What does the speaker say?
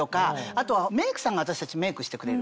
あとはメイクさんが私たちメイクしてくれる。